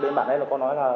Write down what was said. bên bản ấy là con nói là